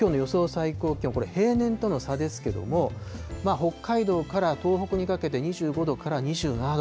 最高気温、これ、平年との差ですけれども、北海道から東北にかけて２５度から２７度。